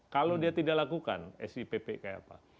kalau dia tidak lakukan sipp kayak apa